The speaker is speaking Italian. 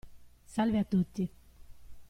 Salve a tutti.